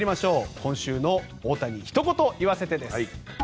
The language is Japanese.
今週の大谷ひとこと言わせてです。